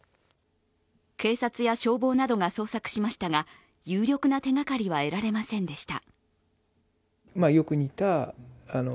警察や消防などが捜索しましたが有力な手がかりは得られませんでした。